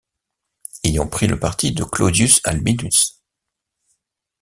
Ayant pris le parti de Clodius Albinus.